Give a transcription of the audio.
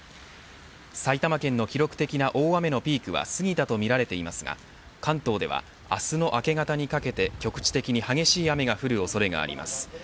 埼玉県の記録的な大雨のピークは過ぎたとみられていますが関東では明日の明け方にかけて局地的に激しい雨が降る恐れがあります。